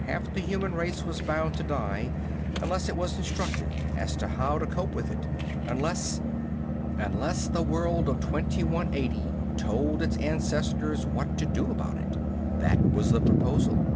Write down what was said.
Half the human race was bound to die unless it was instructed as to how to cope with it. Unless Unless the world of 2180 told its ancestors what to do about it. That was the proposal.